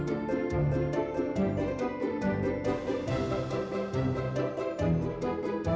aku tahu aku bikinin kue aja buat dia